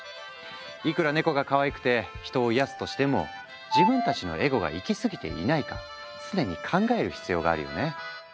いくらネコがかわいくて人を癒やすとしても自分たちのエゴが行き過ぎていないか常に考える必要があるよね。